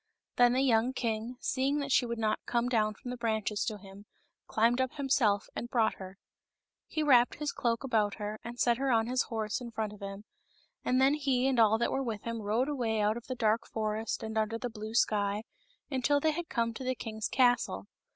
Then the young king, seeing that she would not come down from the branches to him, climbed up himself and brought her. He wrapped his cloak about her and set her on his horse in front of him, and then he and all that were with him rode away out of the dark forest and under the blue sky, until they had come to the king's castle.